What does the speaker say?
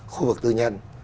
khu vực tư nhân